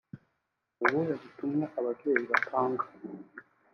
ni ubuhe butumwa ababyeyi batanga